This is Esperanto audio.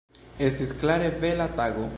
Estis klare bela tago.